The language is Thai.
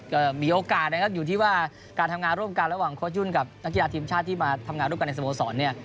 ก็มีโอกาสนะครับอยู่ที่ว่าการทำงานร่วมกันระหว่างโค้ชยุ่นกับนักกีฬาทีมชาติที่มาทำงานร่วมกันในสโมสรเนี่ย